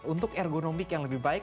untuk ergonomik yang lebih baik